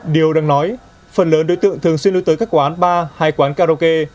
điều đang nói phần lớn đối tượng thường xuyên lưu tới các quán bar hay quán karaoke